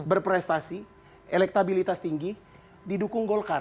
berprestasi elektabilitas tinggi didukung golkar